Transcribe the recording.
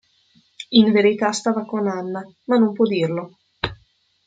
In verità stava con Anna, ma non può dirlo.